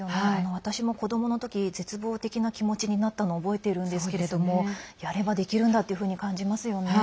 私も子どもの時絶望的な気持ちになったのを覚えているんですけれどもやればできるんだというふうに感じますよね。